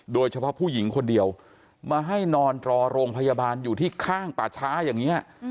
โดยเฉพาะผู้หญิงคนเดียวมาให้นอนรอโรงพยาบาลอยู่ที่ข้างป่าช้าอย่างนี้